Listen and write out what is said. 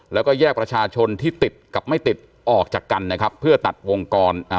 แล้วก็แยกประชาชนที่ติดกับไม่ติดออกจากกันนะครับเพื่อตัดวงกรอ่า